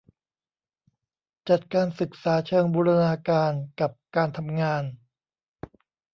จัดการศึกษาเชิงบูรณาการกับการทำงาน